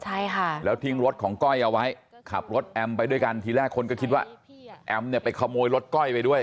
ใช่ค่ะแล้วทิ้งรถของก้อยเอาไว้ขับรถแอมไปด้วยกันทีแรกคนก็คิดว่าแอมเนี่ยไปขโมยรถก้อยไปด้วย